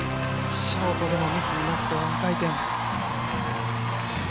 ショートでもミスがあった４回転。